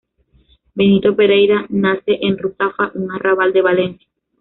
Benito Pereira nace en Ruzafa, un arrabal de Valencia.